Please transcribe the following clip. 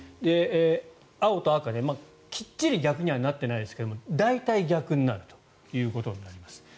青と赤できっちり逆にはなってないですが大体逆になるということになります。